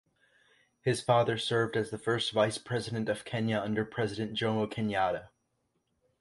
His father served as the first Vice President of Kenya under President Jomo Kenyatta.